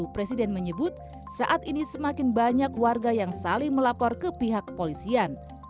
presiden menyebut saat ini semakin banyak warga yang saling melapor ke pihak polisian